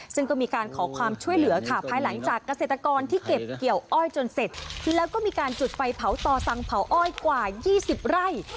ซึ่งก็มีการขอความช่วยเหลือค่ะภายหลังจากเกษตรกรที่เก็บเกี่ยวอ้อยจนเสร็จแล้วก็มีการจุดไฟเผาต่อสังเผาอ้อยกว่า๒๐ไร่